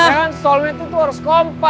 kan soulmate itu tuh harus kompas